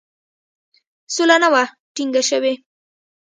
سوله نه وه ټینګه شوې.